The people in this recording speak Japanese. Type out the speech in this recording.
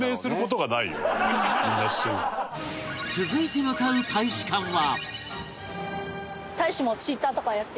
続いて向かう大使館は